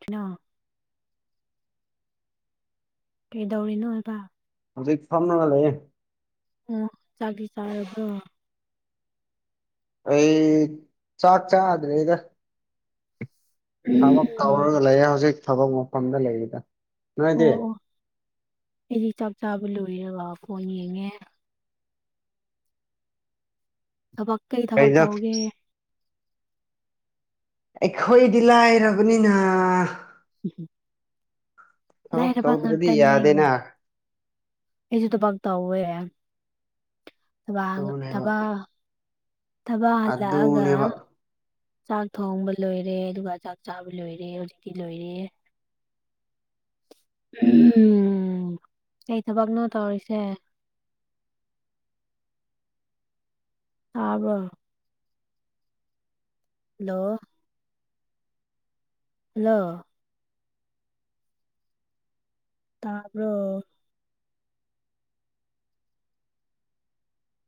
ꯀꯩꯅꯣ ꯀꯩꯗꯧꯔꯤꯅꯣ ꯍꯥꯏꯕ ꯍꯧꯖꯤꯛ ꯐꯝꯃꯒ ꯂꯩꯌꯦ ꯑꯣ ꯆꯥꯛꯇꯤ ꯆꯥꯔꯕ꯭ꯔꯣ ꯑꯩ ꯆꯥꯛ ꯆꯥꯗ꯭ꯔꯤꯗ ꯊꯕꯛ ꯇꯧꯔꯒ ꯂꯩꯌꯦ ꯍꯧꯖꯤꯛ ꯊꯕꯛ ꯃꯐꯝꯗ ꯂꯩꯔꯤꯗ ꯑꯣ ꯅꯣꯏꯗꯤ ꯑꯣ ꯑꯩꯗꯤ ꯆꯥꯛ ꯆꯥꯕ ꯂꯣꯏꯔꯒ ꯐꯣꯟ ꯌꯦꯡꯉꯦ ꯊꯕꯛ ꯀꯩ ꯊꯕꯛ ꯇꯧꯒꯦ ꯑꯩꯈꯣꯏꯗꯤ ꯂꯥꯏꯔꯕꯅꯤꯅ [unintelligible] ꯊꯕꯛ ꯂꯥꯏꯔꯕ ꯇꯧꯗ꯭ꯔꯗꯤ ꯉꯥꯛꯇꯅꯦ ꯌꯥꯗꯦꯅ ꯑꯩꯁꯨ ꯊꯕꯛ ꯇꯧꯋꯦ ꯊꯕꯛ ꯑꯗꯨꯅꯦꯕ ꯊꯕꯛ ꯊꯕꯛ ꯍꯜꯂꯛ ꯑꯒ ꯑꯗꯨꯅꯦꯕ ꯆꯥꯛ ꯊꯣꯡꯕ ꯂꯣꯏꯔꯦ ꯑꯗꯨꯒ ꯆꯥꯛ ꯆꯥꯕ ꯂꯣꯏꯔꯦ ꯍꯧꯖꯤꯛꯇꯤ ꯂꯣꯏꯔꯦ ꯎꯝ ꯀꯩ ꯊꯕꯛꯅꯣ ꯇꯧꯔꯤꯁꯦ ꯇꯥꯕ꯭ꯔꯣ ꯍꯜꯂꯣ ꯍꯜꯂꯣ ꯇꯥꯕ꯭ꯔꯣ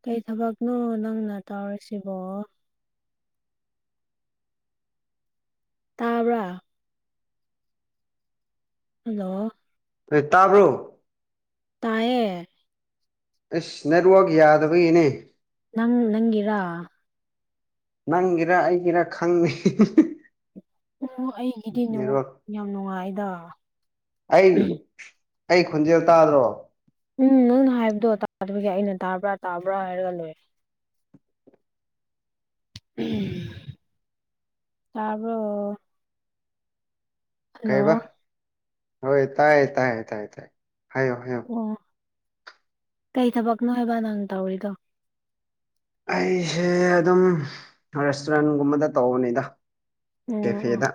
ꯀꯩ ꯊꯕꯛꯅꯣ ꯅꯪꯅ ꯇꯧꯔꯤꯁꯤꯕꯣ ꯇꯥꯕ꯭ꯔꯥ ꯍꯜꯂꯣ ꯍꯦ ꯇꯥꯕ꯭ꯔꯣ ꯇꯥꯏꯌꯦ ꯑꯩꯁ ꯅꯦꯠꯋꯥꯛ ꯌꯥꯗꯕꯒꯤꯅꯦ ꯅꯪ ꯅꯪꯒꯤꯔꯥ ꯅꯪꯒꯤꯔ ꯑꯩꯒꯤꯔ ꯈꯪꯗꯦ ꯑꯣ ꯑꯩꯒꯤꯗꯤ ꯅꯦꯠꯋꯥꯛ ꯌꯥꯝ ꯅꯨꯡꯉꯥꯏꯗ ꯑꯩ ꯑꯩ ꯈꯣꯟꯖꯦꯜ ꯇꯥꯗ꯭ꯔꯣ ꯎꯝ ꯅꯪꯅ ꯍꯥꯏꯕꯗꯣ ꯇꯥꯗꯕꯒꯤ ꯑꯩꯅ ꯇꯥꯕ꯭ꯔꯥ ꯇꯥꯕ꯭ꯔꯥ ꯍꯥꯏꯔꯒ ꯂꯩ ꯎꯝ ꯇꯥꯕ꯭ꯔꯣ ꯍꯜꯂꯣ ꯀꯩꯕ ꯍꯣꯏ ꯇꯥꯏꯌꯦ ꯇꯥꯏ ꯇꯥꯏ ꯇꯥꯏ ꯍꯥꯏꯌꯣ ꯍꯥꯏꯌꯣ ꯑꯣ ꯀꯩ ꯊꯕꯛꯅꯣ ꯍꯥꯏꯕ ꯅꯪ ꯇꯧꯔꯤꯗꯣ ꯑꯩꯁꯦ ꯑꯗꯨꯝ ꯔꯦꯁꯇꯨꯔꯦꯟꯒꯨꯝꯕꯗ ꯇꯧꯕꯅꯤꯗ ꯎꯝ ꯎꯝ ꯀꯦꯐꯦꯗ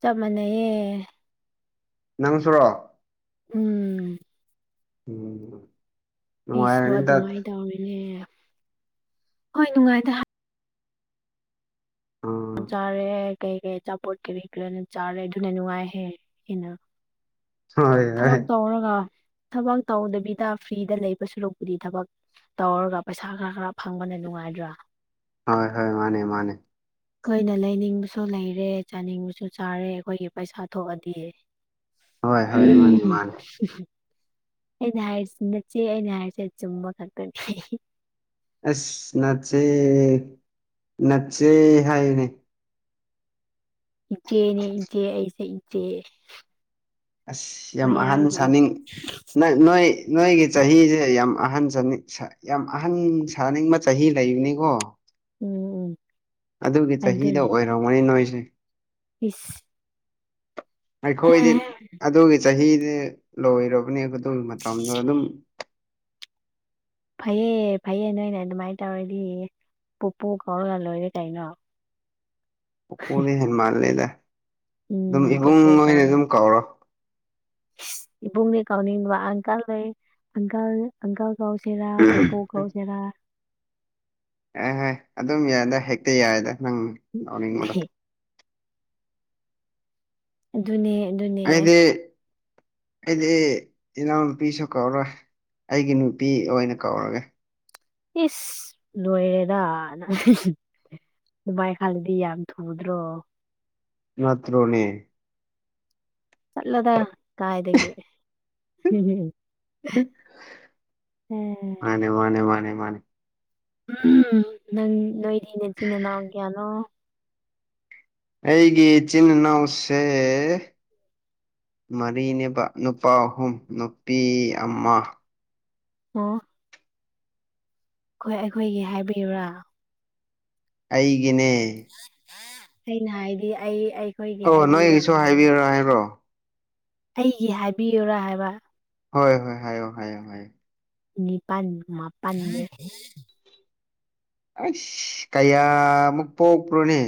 ꯆꯞ ꯃꯥꯟꯅꯩꯌꯦ ꯅꯪ ꯁꯨꯔꯣ ꯎꯝ ꯎꯝ ꯑꯩꯁꯨ ꯅꯨꯡꯉꯥꯏꯔꯅꯤꯗ ꯑꯗꯨꯃꯥꯏꯅ ꯇꯧꯔꯤꯅꯦ ꯍꯣꯏ ꯅꯨꯡꯉꯥꯏꯗ ꯎꯝ ꯆꯥꯔꯦ ꯀꯩ ꯀꯩ ꯑꯆꯥꯄꯣꯠ ꯀꯔꯤ ꯀꯔꯤꯅ ꯆꯥꯔꯦ ꯑꯗꯨꯅ ꯅꯨꯡꯉꯥꯏꯍꯦ ꯍꯦꯟꯅ ꯍꯣꯏ ꯍꯣꯏ ꯊꯕꯛ ꯇꯧꯔꯒ ꯊꯕꯛ ꯇꯧꯗꯕꯤꯗ ꯐ꯭ꯔꯤꯗ ꯂꯩꯕ ꯁꯔꯨꯛꯄꯨꯗꯤ ꯊꯕꯛ ꯇꯧꯔꯒ ꯄꯩꯁꯥ ꯈꯔ ꯐꯪꯕꯅ ꯅꯨꯡꯉꯥꯏꯗ꯭ꯔꯥ ꯍꯣꯏ ꯍꯣꯏ ꯃꯥꯅꯦ ꯃꯥꯅꯦ ꯈꯣꯏꯅ ꯂꯩꯅꯤꯡꯕꯁꯨ ꯂꯩꯔꯦ ꯆꯥꯅꯤꯡꯕꯁꯨ ꯆꯥꯔꯦ ꯑꯩꯈꯣꯏꯒꯤ ꯄꯩꯁꯥ ꯊꯣꯛꯑꯗꯤ ꯍꯣꯏ ꯍꯣꯏ ꯃꯥꯅꯦ ꯎꯝ ꯃꯥꯅꯦ ꯑꯩꯅ ꯍꯥꯏꯔꯤꯁꯤ ꯅꯆꯦ ꯑꯩꯅ ꯍꯥꯏꯔꯤꯁꯦ ꯆꯨꯝꯕ ꯈꯛꯇꯅꯤ ꯍꯤꯍꯤ ꯑꯁ ꯅꯆꯦ ꯅꯠꯆꯦ ꯍꯥꯏꯅꯦ ꯏꯆꯦꯅꯦ ꯏꯆꯦ ꯑꯩꯁꯦ ꯢ ꯆꯦ ꯑꯁ ꯌꯥꯝ ꯑꯍꯟ ꯁꯥꯅꯤꯡ ꯅꯥ ꯅꯣꯏ ꯅꯣꯏꯒꯤ ꯆꯍꯤꯖꯦ ꯌꯥꯝ ꯑꯍꯟ ꯁꯥꯅꯤꯡ ꯁꯥ ꯌꯥꯝ ꯑꯍꯟ ꯁꯥꯅꯤꯡꯕ ꯆꯍꯤ ꯂꯩꯕꯅꯤꯀꯣ ꯎꯝ ꯎꯝ ꯑꯗꯨꯒꯤ ꯆꯍꯤꯗꯣ ꯑꯗꯨꯅꯦ ꯑꯣꯏꯔꯝꯒꯅꯤ ꯅꯣꯏꯁꯦ ꯏꯁ ꯑꯩꯈꯣꯏꯗꯤ ꯑꯗꯨꯒꯤ ꯆꯍꯤꯗꯦ ꯂꯣꯏꯔꯕꯅꯦꯕ ꯑꯗꯨꯒꯤ ꯃꯇꯝꯗꯣ ꯑꯗꯨꯝ ꯐꯩꯌꯦ ꯐꯩꯌꯦ ꯅꯣꯏꯅ ꯑꯗꯨꯃꯥꯏꯟ ꯇꯧꯔꯗꯤ ꯄꯨꯄꯨ ꯀꯧꯔꯒ ꯂꯣꯏꯔꯦ ꯀꯩꯅꯣ ꯄꯨꯄꯨꯗꯤ ꯍꯦꯟ ꯃꯥꯜꯂꯦꯗ ꯑꯗꯨꯝ ꯎꯝ ꯏꯕꯨꯡ ꯄꯨꯄꯨ ꯑꯣꯏꯅ ꯑꯗꯨꯝ ꯀꯧꯔꯣ ꯢꯁ ꯏꯕꯨꯡꯅꯤ ꯀꯧꯅꯤꯡꯕ ꯑꯪꯀꯜ ꯂꯩ ꯑꯪꯀꯜ ꯑꯪꯀꯜ ꯀꯧꯁꯤꯔ ꯄꯨꯄꯨ ꯀꯧꯁꯦꯔꯥ ꯑꯦ ꯍꯦ ꯑꯗꯨꯝ ꯌꯥꯏꯗ ꯍꯦꯛꯇ ꯌꯥꯏꯗ ꯅꯪ ꯂꯧꯅꯤꯡꯕꯗꯣ ꯑꯍꯦ ꯑꯗꯨꯅꯦ ꯑꯗꯨꯟ ꯑꯩꯗꯤ ꯑꯩꯗꯤ ꯏꯅꯥꯎꯅꯨꯄꯤꯁꯨ ꯀꯧꯔꯣꯏ ꯑꯩꯒꯤ ꯅꯨꯄꯤ ꯑꯣꯏꯅ ꯀꯧꯔꯒꯦ ꯏꯁ ꯂꯣꯏꯔꯦꯗ ꯅꯪ [unintelligible] ꯑꯗꯨꯃꯥꯢ ꯈꯜꯂꯗꯤ ꯌꯥꯝ ꯊꯨꯗ꯭ꯔꯣ ꯅꯠꯇ꯭ꯔꯣꯅꯦ ꯆꯠꯂꯣꯗꯥ ꯀꯥꯏꯗꯒꯤ ꯍꯝꯍꯝ ꯃꯥꯅꯦ ꯃꯥꯅꯦ ꯃꯥꯅꯦ ꯃꯥꯅꯦ ꯎꯝ ꯅꯪ ꯅꯣꯏꯗꯤ ꯅꯆꯤꯟ ꯅꯅꯥꯎ ꯀ꯭ꯌꯥꯅꯣ ꯑꯩꯒꯤ ꯏꯆꯤꯟ ꯏꯅꯥꯎꯁꯦ ꯃꯔꯤꯅꯦꯕ ꯅꯨꯄꯥ ꯑꯍꯨꯝ ꯅꯨꯄꯤ ꯑꯃ ꯑꯣ ꯈꯣꯢ ꯑꯩꯈꯣꯏꯒꯤ ꯍꯥꯏꯕꯤꯌꯨꯔꯥ ꯑꯩꯒꯤꯅꯦ ꯑꯩꯅ ꯍꯥꯏꯗꯤ ꯑꯩ ꯑꯩ ꯑꯣ ꯅꯣꯏꯒꯤꯁꯨ ꯍꯥꯏꯕꯤꯌꯨꯔ ꯍꯥꯏꯔꯣ ꯑꯩꯒꯤ ꯍꯥꯏꯕꯤꯌꯨꯔꯥ ꯍꯥꯏꯕ ꯍꯣꯏ ꯍꯣꯏ ꯍꯥꯏꯌꯣ ꯍꯥꯏꯌꯣ ꯍꯥꯏ ꯅꯤꯄꯥꯟ ꯃꯥꯄꯟꯅꯦ ꯑꯩꯁ ꯀꯌꯥꯃꯨꯛ ꯄꯣꯛꯄ꯭ꯔꯣꯅꯦ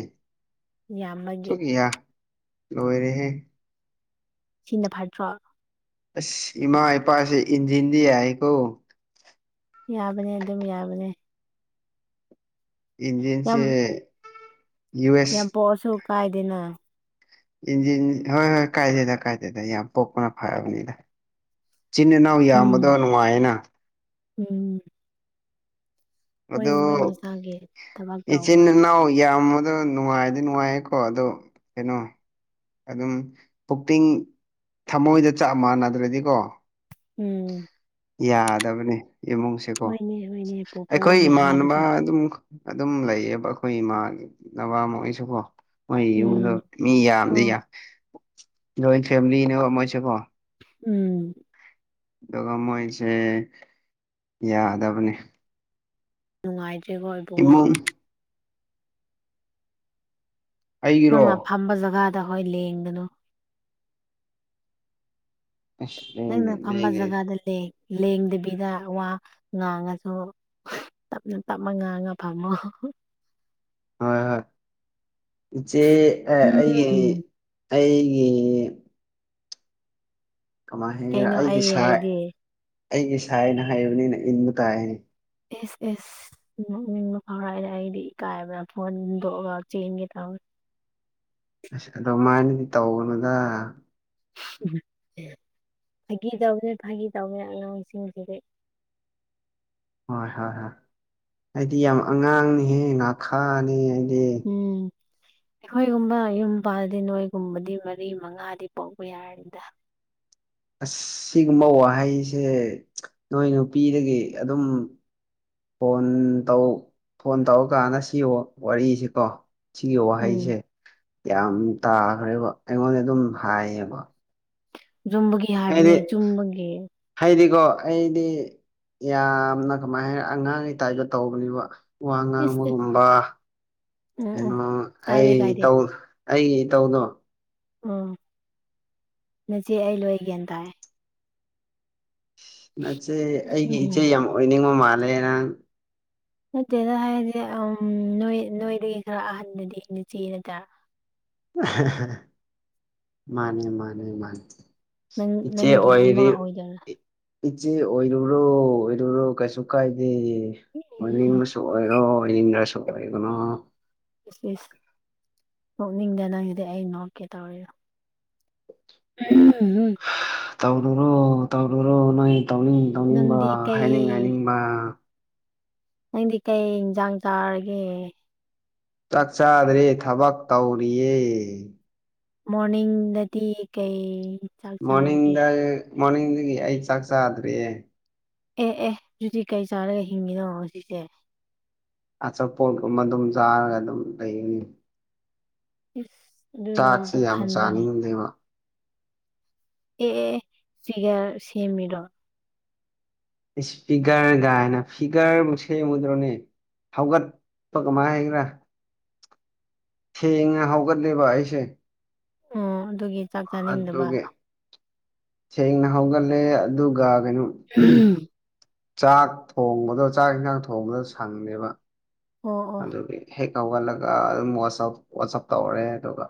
ꯌꯥꯝꯕꯒꯤ ꯁꯨꯛ ꯌꯥ ꯂꯣꯏꯔꯦꯍꯦ ꯁꯤꯅ ꯐꯠꯇ꯭ꯔꯣ ꯑꯁ ꯏꯃꯥ ꯏꯄꯥꯁꯦ ꯏꯟꯖꯤꯟꯗꯤ ꯌꯥꯏꯌꯦꯀꯣ ꯌꯥꯕꯅꯦ ꯑꯗꯨꯝ ꯌꯥꯕꯅꯦ ꯏꯟꯖꯤꯟꯁꯦ ꯌꯥꯝ ꯌꯨ ꯌꯥꯝ ꯑꯦꯁ ꯄꯣꯑꯁꯨ ꯀꯥꯏꯗꯦꯅ ꯏꯟꯖꯤꯟ ꯍꯣꯏ ꯍꯣꯏ ꯀꯥꯏꯗꯦꯗ ꯀꯥꯏꯗꯦꯗ ꯌꯥꯝ ꯄꯣꯛꯄꯅ ꯐꯔꯕꯅꯤꯗꯥ ꯆꯤꯟ ꯏꯅꯥꯎ ꯌꯥꯝꯕꯗꯣ ꯎꯝ ꯅꯨꯡꯉꯥꯏꯌꯦꯅ ꯎꯝ ꯃꯣꯏ ꯑꯗꯣ ꯃꯣꯏ ꯃꯁꯥꯒꯤ ꯊꯕꯛ ꯇꯧꯕ ꯌꯥꯝꯃꯗꯣ ꯅꯨꯡꯉꯥꯏꯗꯤ ꯅꯨꯡꯉꯥꯏꯌꯦꯀꯣ ꯑꯗꯣ ꯀꯩꯅꯣ ꯑꯗꯨꯝ ꯄꯨꯛꯄꯤꯡ ꯊꯃꯣꯏꯗꯥ ꯆꯞ ꯃꯥꯟꯅꯗ꯭ꯔꯥꯗꯤꯀꯣ ꯎꯝ ꯌꯥꯗꯕꯅꯦ ꯏꯃꯨꯡꯁꯦꯀꯣ ꯍꯣꯏꯅꯦ ꯍꯣꯏꯅꯦ ꯑꯩꯈꯣꯏ ꯄꯣꯄꯣꯅ ꯏꯃꯥꯟꯅꯕ ꯍꯥꯏꯕꯁꯦ ꯑꯗꯨꯝ ꯑꯗꯨꯝ ꯂꯩꯌꯦꯕ ꯑꯩꯈꯣꯏ ꯏꯃꯥꯒꯤ ꯅꯕ ꯃꯣꯏꯁꯨꯀꯣ ꯃꯣꯏ ꯌꯨꯝꯗꯣ ꯎꯝ ꯃꯤ ꯌꯥꯝꯗꯤ ꯑꯣ ꯌꯥꯝ ꯖꯣꯏꯟ ꯐꯦꯃꯤꯂꯤꯅꯦꯕ ꯃꯣꯏꯁꯦ ꯀꯣ ꯎꯝ ꯑꯗꯨꯒ ꯃꯣꯏꯁꯦ ꯌꯥꯗꯕꯅꯤ ꯅꯨꯡꯉꯥꯏꯇ꯭ꯔꯦꯈꯣꯏ ꯏꯃꯨꯡ ꯑꯩꯒꯤꯔꯣ ꯅꯪꯅ ꯐꯝꯕ ꯖꯒꯥꯗ ꯍꯣꯏ ꯂꯦꯡꯒꯅꯨ ꯑꯁ ꯅꯪꯅ ꯂꯦꯡꯗꯦ ꯐꯝꯕ ꯂꯦꯡꯗꯦ ꯖꯒꯥꯗ ꯂꯦꯡ ꯂꯦꯡꯗꯕꯤꯗ ꯋꯥ ꯉꯥꯡꯉꯁꯨ ꯇꯞꯅ ꯇꯞꯃ ꯉꯥꯡꯉ ꯐꯝꯃꯣ ꯍꯣꯏ ꯍꯣꯏ ꯏꯆꯦ ꯑꯥ ꯑꯩꯒꯤ ꯎꯝ ꯑꯩꯒꯤ ꯀꯃꯥꯏ ꯍꯥꯏꯒꯦꯔꯥ ꯀꯩꯅꯣ ꯑꯩꯒꯤ ꯑꯩ ꯁꯥꯏ ꯍꯥꯏꯗꯤ ꯑꯩꯒꯤ ꯁꯥꯏꯅ ꯍꯥꯏꯕꯅꯤꯅ ꯏꯟꯕ ꯇꯥꯏ ꯏꯁ ꯏꯁ ꯅꯣꯛꯅꯤꯡꯕ ꯐꯥꯎꯔꯦ ꯑꯩꯗꯤ ꯏꯀꯥꯏꯕꯅ ꯐꯣꯟꯗꯣꯛꯑꯒ ꯆꯦꯟꯒꯦ ꯇꯧ ꯑꯁ ꯑꯗꯨꯃꯥꯏꯅꯗꯤ ꯇꯧꯒꯅꯨꯗꯥ ꯐꯥꯒꯤ ꯇꯧꯕꯅꯦ ꯐꯥꯒꯤ ꯇꯧꯕꯅꯦ ꯑꯉꯥꯡꯁꯤꯡꯁꯤꯗꯤ ꯍꯣꯏ ꯍꯣꯏ ꯍꯣꯏ ꯑꯩꯗꯤ ꯌꯥꯝ ꯑꯉꯥꯡꯅꯤꯍꯦ ꯉꯥꯈꯥꯅꯤ ꯑꯩꯗꯤ ꯎꯝ ꯑꯩꯈꯣꯏꯒꯨꯝꯕ ꯌꯨꯝ ꯄꯥꯜꯂꯗꯤ ꯅꯣꯏꯒꯨꯝꯕꯗꯤ ꯃꯔꯤ ꯃꯉꯥꯗꯤ ꯄꯣꯛꯄ ꯌꯥꯔꯅꯤꯗꯥ ꯑꯁ ꯁꯤꯒꯨꯝꯕ ꯋꯥꯍꯩꯁꯦ ꯅꯣꯏ ꯅꯨꯄꯤꯗꯒꯤ ꯑꯗꯨꯝ ꯐꯣꯟ ꯇꯧ ꯐꯣꯟ ꯇꯧꯔꯀꯥꯟꯗ ꯁꯤ ꯋꯥ ꯋꯥꯔꯤꯁꯤꯀꯣ ꯁꯤꯒꯤ ꯎꯝ ꯋꯥꯍꯩꯁꯦ ꯌꯥꯝ ꯇꯥꯈ꯭ꯔꯦꯕ ꯑꯩꯉꯣꯟꯗ ꯑꯗꯨꯝ ꯍꯥꯏꯌꯦꯕ ꯖꯨꯝꯕꯒꯤ ꯍꯥꯏꯗꯤ ꯍꯥꯏꯕꯅꯦ ꯆꯨꯝꯕꯒꯤ ꯍꯥꯏꯗꯤꯀꯣ ꯑꯩꯗꯤ ꯌꯥꯝꯅ ꯀꯃꯥꯏ ꯍꯥꯏ ꯑꯉꯥꯡꯒꯤ ꯇꯥꯏꯞꯇꯥ ꯇꯧꯕꯅꯦꯕ ꯋꯥ ꯏꯁ ꯏꯁ ꯉꯥꯡꯕꯒꯨꯝꯕ ꯎꯝ ꯎꯝ ꯀꯩꯅꯣ ꯀꯥꯏꯗꯦ ꯑꯩ ꯀꯥꯏꯗꯦ ꯇꯧ ꯑꯩ ꯏꯇꯧꯗꯣ ꯎꯝ ꯅꯆꯦ ꯑꯩ ꯂꯣꯏ ꯒ꯭ꯌꯥꯟ ꯇꯥꯏ ꯁꯤ ꯅꯆꯦ ꯑꯩꯒꯤ ꯎꯝ ꯏꯆꯦ ꯌꯥꯝ ꯑꯣꯏꯅꯤꯡꯕ ꯃꯥꯜꯂꯦ ꯅꯪ ꯅꯠꯇꯦꯗ ꯍꯥꯏꯔꯗꯤ ꯑꯝ ꯅꯣꯏ ꯅꯣꯏꯗꯥꯒꯤ ꯈꯔ ꯑꯍꯟꯗꯨꯗꯤ ꯅꯆꯦ ꯅꯠꯇꯥ ꯃꯥꯅꯦ ꯃꯥꯅꯦ ꯃꯥꯅꯤ ꯅꯪ ꯏꯆꯦ ꯅꯪꯒꯤ ꯑꯣꯏꯔꯤ ꯏꯃꯥ ꯑꯣꯏꯗꯣꯏꯔꯥ ꯏꯆꯦ ꯑꯣꯏꯔꯨꯔꯣ ꯑꯣꯏꯔꯨꯔꯣ ꯀꯩꯁꯨ ꯀꯥꯏꯗꯦ ꯎꯝ ꯑꯣꯏꯅꯤꯡꯕꯁꯨ ꯑꯣꯏꯔꯣ ꯑꯣꯏꯅꯤꯡꯗ꯭ꯔꯁꯨ ꯑꯣꯏꯒꯅꯣ ꯏꯁ ꯏꯁ ꯅꯣꯛꯅꯤꯡꯗꯦ ꯅꯪꯒꯤꯗꯤ ꯑꯩ ꯅꯣꯛꯀꯦ ꯇꯧꯔꯤꯒ ꯎꯝ ꯇꯧꯔꯨꯔꯣ ꯇꯧꯔꯨꯔꯣ ꯅꯣꯏ ꯇꯧꯅꯤꯡ ꯇꯧꯅꯤꯡꯕ ꯅꯪꯗꯤ ꯀꯩ ꯍꯥꯏꯅꯤꯡ ꯍꯥꯏꯅꯤꯡꯕ ꯅꯪꯗꯤ ꯀꯩ ꯏꯟꯖꯥꯡ ꯆꯥꯔꯒꯦ ꯆꯥꯛ ꯆꯥꯗ꯭ꯔꯦ ꯊꯕꯛ ꯇꯧꯔꯤꯌꯦ ꯃꯣꯔꯅꯤꯡ ꯗꯗꯤ ꯀꯩ ꯆꯥꯛ ꯆꯥꯔꯒꯦ ꯃꯣꯔꯅꯤꯡꯗ ꯃꯣꯔꯅꯤꯡꯗꯒꯤ ꯑꯩ ꯆꯥꯛ ꯆꯥꯗ꯭ꯔꯤꯌꯦ ꯑꯦ ꯑꯦ ꯑꯗꯨꯗꯤ ꯀꯩ ꯆꯥꯔꯒ ꯍꯤꯡꯉꯤꯅꯣ ꯍꯧꯖꯤꯛꯁꯦ ꯑꯆꯥꯄꯣꯠꯒꯨꯝꯕ ꯑꯗꯨꯝ ꯆꯥꯔꯒ ꯑꯗꯨꯝ ꯂꯩꯌꯦꯅꯤ ꯏꯁ ꯑꯗꯨꯅ ꯄꯨꯛ ꯊꯟꯕ꯭ꯔꯅꯦ ꯗꯦꯕ ꯑꯦ ꯑꯦ ꯑꯦ ꯐꯤꯒꯔ ꯁꯦꯝꯃꯤꯔꯣ ꯏꯁ ꯐꯤꯒ꯭ꯔ ꯒꯥꯏꯅ ꯐꯤꯒ꯭ꯔꯕꯨ ꯁꯦꯝꯒꯗ꯭ꯔꯣꯅꯦ ꯍꯧꯒꯠꯄ ꯀꯃꯥꯏ ꯍꯥꯏꯒꯦꯔꯥ ꯊꯦꯡꯅ ꯍꯧꯒꯠꯂꯦꯕ ꯑꯩꯁꯦ ꯑꯣ ꯑꯗꯨꯒꯤ ꯆꯥꯛ ꯆꯥꯅꯤꯡꯗꯕ ꯑꯗꯨꯒꯤ ꯊꯦꯡꯅ ꯍꯧꯒꯜꯂꯦ ꯑꯗꯨꯒ ꯀꯩꯅꯣ ꯎꯝ ꯆꯥꯛ ꯊꯣꯡꯕꯗꯣ ꯆꯥꯛ ꯏꯟꯖꯥꯡ ꯊꯣꯡꯕꯗꯣ ꯁꯪꯗꯦꯕ ꯑꯣ ꯑꯣ ꯑꯗꯨꯒꯤ ꯍꯦꯛ ꯍꯧꯒꯠꯂꯒ ꯑꯗꯨꯝ ꯋꯥꯆꯞ ꯋꯥꯆꯞ ꯇꯧꯔꯦ ꯑꯗꯨꯒ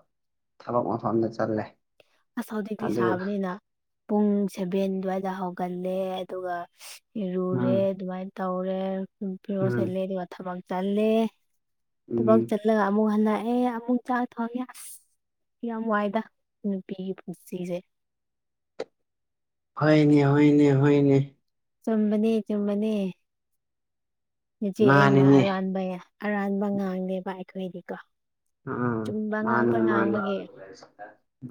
ꯊꯕꯛ ꯃꯐꯝꯗ ꯆꯜꯂꯦ ꯑꯁ ꯍꯧꯖꯤꯛꯇꯤ ꯁꯥꯕꯅꯤꯅ ꯄꯨꯡ ꯁꯚꯦꯟ ꯗ꯭ꯨꯋꯥꯏꯗ ꯍꯧꯒꯠꯂꯦ ꯑꯗꯨꯒ ꯏꯔꯨꯔꯦ ꯎꯝ ꯑꯗꯨꯃꯥꯏꯟ ꯇꯧꯔꯦ ꯐꯤꯔꯣꯟ ꯎꯝ ꯁꯦꯠꯂꯦ ꯑꯗꯨꯒ ꯊꯕꯛ ꯆꯜꯂꯦ ꯊꯕꯛ ꯎꯝ ꯆꯠꯂꯒ ꯑꯃꯨꯛ ꯍꯜꯂꯛꯑꯦ ꯑꯃꯨꯛ ꯆꯥꯛ ꯊꯣꯡꯉꯦ ꯑꯁ ꯌꯥꯝ ꯋꯥꯏꯗ ꯄꯤꯒꯤ ꯄꯨꯁꯤꯖꯦ ꯍꯣꯏꯅꯦ ꯍꯣꯏꯅꯦ ꯍꯣꯏꯅꯦ ꯆꯨꯝꯕꯅꯦ ꯆꯨꯝꯕꯅꯦ ꯅꯆꯦ ꯑꯩꯅ ꯃꯥꯅꯤꯅꯦ ꯑꯔꯥꯟꯕ ꯌꯥ ꯑꯔꯥꯟꯕ ꯉꯥꯡꯗꯦꯕ ꯑꯩꯈꯣꯏꯗꯤꯀꯣ ꯎꯝ ꯎꯝ ꯆꯨꯝꯕ ꯉꯥꯛꯇ ꯃꯥꯟꯅꯤ ꯃꯥꯟꯅꯤ ꯉꯥꯡꯕꯒꯤ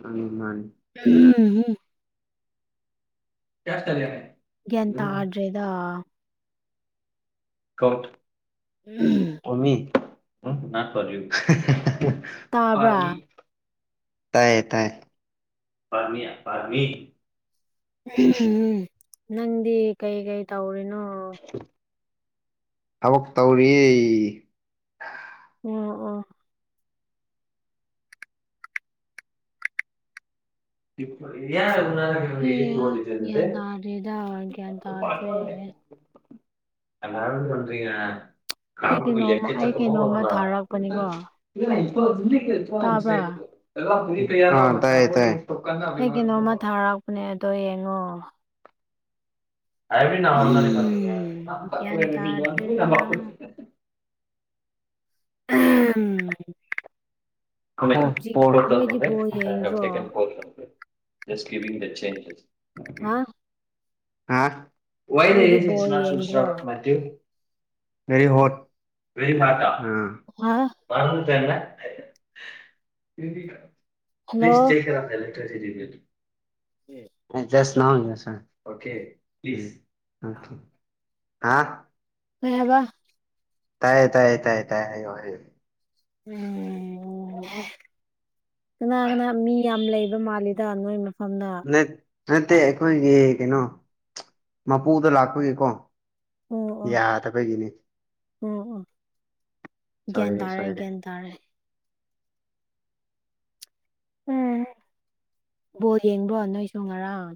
ꯎꯝ ꯃꯥꯟꯅꯤ [unintelligible] ꯒ꯭ꯌꯥꯁ ꯇꯠꯂꯦ ꯒ꯭ꯌꯥꯟ ꯇꯥꯗ꯭ꯔꯦꯗ ꯀꯣꯠꯊ [unintelligible] ꯑꯣꯃꯤ ꯇꯥꯕ꯭ꯔꯥ [unintelligible] ꯇꯥꯏꯌꯦ ꯇꯥꯏꯌꯦ [unintelligible] ꯅꯪꯗꯤ ꯀꯩ ꯀꯩ ꯇꯧꯔꯤꯅꯣ ꯊꯕꯛ ꯇꯧꯔꯤꯌꯦ ꯑꯣ ꯑꯣ [unintelligible] [unintelligible] [unintelligible] ꯑꯦ ꯒ꯭ꯌꯥꯟ ꯇꯥꯗ꯭ꯔꯦꯗ ꯒ꯭ꯌꯥꯟ ꯇꯥꯗ꯭ꯔꯦ ꯑꯩ ꯀꯩꯅꯣꯝꯃ ꯑꯩ ꯀꯩꯅꯣꯝꯃ ꯊꯥꯔꯛꯄꯅꯤꯀꯣ ꯇꯥꯕ꯭ꯔꯥ [unintelligible] ꯑ ꯇꯥꯏꯌꯦ ꯇꯥꯏꯌꯦ ꯑꯩ ꯀꯩꯅꯣꯝꯃ ꯊꯔꯛꯄꯅꯦ ꯑꯗꯣ ꯌꯦꯡꯉꯣ ꯎꯝ ꯒ꯭ꯌꯥꯟ ꯇꯥꯗ꯭ꯔꯦꯗ [unintelligible] [unintelligible] ꯍꯧꯖꯤꯛ ꯅꯣꯏꯗꯤ ꯕꯣꯜ ꯌꯦꯡꯗ꯭ꯔꯣ [unintelligible] ꯍꯥ [unintelligible] ꯅꯣꯏꯗꯤ ꯕꯣꯜ ꯌꯦꯡꯗ꯭ꯔꯣ [unintelligible] [unintelligible] ꯍꯥ [unintelligible] ꯍꯜꯂꯣ [unintelligible] ꯑꯦ [unintelligible] ꯀꯩ ꯍꯥꯏꯕ ꯇꯥꯏꯌꯦ ꯇꯥꯏꯌꯦ ꯇꯥꯏꯌꯦ ꯇꯥꯏꯌꯦ ꯍꯥꯏꯌꯣ ꯍꯥꯏꯌꯣ ꯎꯝ ꯀꯅꯥ ꯀꯅꯥ ꯃꯤ ꯌꯥꯝ ꯂꯩꯕ ꯃꯥꯜꯂꯤ ꯗ ꯅꯣꯏ ꯃꯐꯝꯗꯣ ꯅꯠ ꯅꯠꯇꯦ ꯑꯩꯈꯣꯏꯒꯤ ꯀꯩꯅꯣ ꯃꯄꯨꯗꯣ ꯂꯥꯛꯄꯒꯤꯀꯣ ꯑꯣ ꯑꯣ ꯌꯥꯗꯕꯒꯤꯅꯦ ꯑꯣ ꯑꯣ ꯒ꯭ꯌꯥꯟ ꯁꯣꯏꯔꯦ ꯇꯥꯔꯦ ꯁꯣꯏꯔꯦ ꯒ꯭ꯌꯥꯟ ꯇꯥꯔꯦ ꯎꯝ ꯕꯣꯜ ꯌꯦꯡꯕ꯭ꯔꯣ ꯅꯣꯏꯁꯨ ꯉꯔꯥꯡ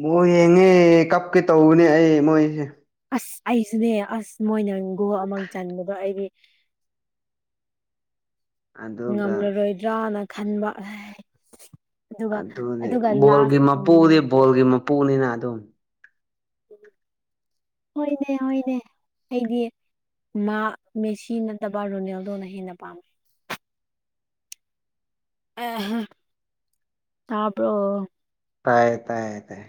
ꯕꯣꯜ ꯌꯦꯡꯉꯦ ꯀꯞꯀꯦ ꯇꯧꯕꯅꯦ ꯑꯩ ꯃꯣꯏꯁꯦ ꯑꯁ ꯑꯩꯁꯨꯅꯦ ꯑꯁ ꯃꯣꯏꯅ ꯒꯣꯜ ꯑꯃ ꯆꯟꯕꯗꯣ ꯑꯩꯗꯤ ꯑꯗꯨꯒ ꯉꯝꯂꯔꯣꯏꯗ꯭ꯔꯅ ꯈꯟꯕ ꯑꯥꯢ ꯑꯗꯨꯅꯤ ꯕꯣꯜꯒꯤ ꯃꯄꯨꯗꯤ ꯕꯣꯜꯒꯤ ꯃꯄꯨꯅꯤꯅ ꯑꯗꯨꯝ ꯍꯣꯏꯅꯦ ꯍꯣꯏꯅꯦ ꯑꯩꯗꯤ ꯃꯥ ꯃꯦꯁꯤ ꯅꯠꯇꯕ ꯔꯣꯅꯦꯜꯗꯣꯅ ꯍꯦꯟꯅ ꯄꯥꯝꯃꯦ ꯑꯦ ꯍꯥ ꯇꯥꯕ꯭ꯔꯣ ꯇꯥꯏꯌꯦ ꯇꯥꯏꯌꯦ ꯇꯥꯏ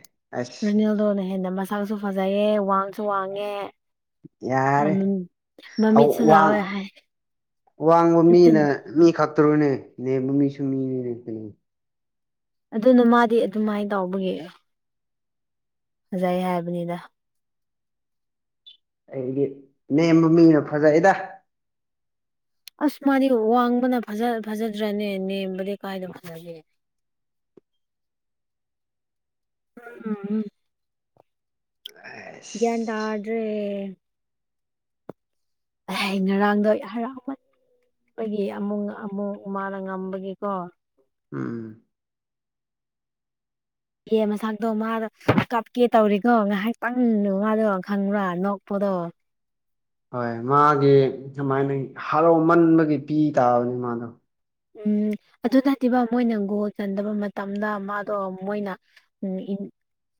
ꯔꯣꯅꯦꯜꯗꯣꯅ ꯍꯦꯟꯅ ꯃꯁꯛꯁꯨ ꯐꯖꯩꯌꯦ ꯋꯥꯡꯁꯨ ꯋꯥꯡꯉꯦ ꯌꯥꯔꯦ ꯃꯃꯤꯠꯁꯨ ꯑꯣꯋꯥꯡ ꯂꯥꯎꯋꯦ ꯍꯥꯏ ꯋꯥꯡꯕ ꯑꯗꯨ ꯃꯤꯅ ꯃꯤ ꯈꯛꯇꯔꯣꯅꯦ ꯅꯦꯝꯕ ꯃꯤꯁꯨ ꯃꯤꯅꯤꯅꯦ ꯀꯩꯅꯣ ꯑꯗꯨꯅ ꯃꯥꯗꯤ ꯑꯗꯨꯃꯥꯏ ꯇꯧꯕꯒꯤ ꯐꯖꯩ ꯍꯥꯏꯕꯅꯤꯗ ꯑꯩꯗꯤ ꯅꯦꯝꯕ ꯃꯤꯅ ꯐꯖꯩꯌꯦꯗ ꯑꯁ ꯃꯥꯗꯤ ꯋꯥꯡꯕꯅ ꯐꯖ ꯐꯖꯗ꯭ꯔꯅꯦ ꯅꯦꯝꯕꯗꯤ ꯀꯥꯏꯗ ꯐꯖꯒꯦ ꯎꯝ ꯎ ꯎꯝ ꯒ꯭ꯌꯥꯟ ꯑꯁ ꯇꯥꯗ꯭ꯔꯦ ꯑꯦꯍꯦ ꯉꯔꯥꯡꯗꯣ ꯍꯔꯥꯎ ꯃꯟꯕꯒꯤ ꯑꯃꯨꯛ ꯑꯃꯨꯛ ꯃꯥꯅ ꯉꯝꯕꯒꯤꯀꯣ ꯎꯝ ꯑꯦ ꯃꯁꯥꯛꯇꯣ ꯃꯥꯗꯣ ꯀꯞꯀꯦ ꯇꯧꯔꯤꯀꯣ ꯉꯥꯏꯍꯥꯛꯇꯪꯗꯣ ꯃꯥꯗꯣ ꯈꯪꯕ꯭ꯔꯥ ꯅꯣꯛꯄꯗꯣ ꯍꯣꯏ ꯃꯥꯒꯤ ꯑꯃꯥꯏꯅ ꯍꯔꯥꯎꯃꯟꯕꯒꯤ ꯄꯤ ꯇꯥꯕꯅꯤ ꯃꯥꯗꯣ ꯎꯝ ꯑꯗꯨ ꯅꯠꯇꯦꯕ ꯃꯣꯏꯅ ꯒꯣꯜ ꯆꯟꯗꯕ ꯃꯇꯝꯗ ꯃꯥꯗꯣ ꯃꯣꯏꯅ ꯎꯝ ꯏꯟ